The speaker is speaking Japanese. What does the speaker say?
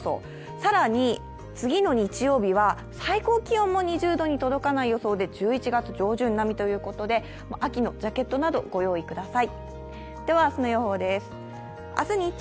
更に次の日曜日は最高気温も２０度に届かない予想で１１月上旬並みということで、秋のジャケットなどご用意ください。